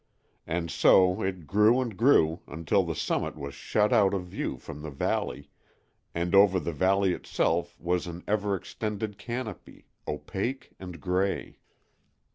And so it grew and grew until the summit was shut out of view from the valley, and over the valley itself was an ever extending canopy, opaque and gray.